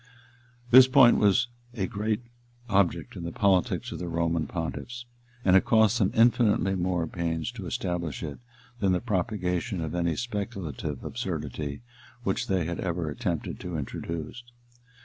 ] This point was a great object in the politics of the Roman pontiffs; and it cost them infinitely more pains to establish it than the propagation of any speculative absurdity which they had ever attempted to introduce.